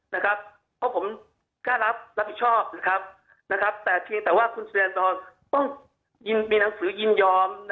เพราะผมกล้ารับผิดชอบแต่เพียงแต่ว่าคุณแสดงทรต้องมีหนังสือยินยอม